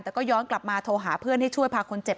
แต่ก็ย้อนกลับมาโทรหาเพื่อนให้ช่วยพาคนเจ็บ